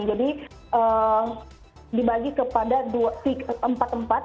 jadi dibagi kepada empat tempat